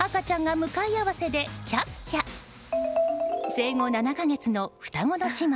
生後７か月の双子の姉妹。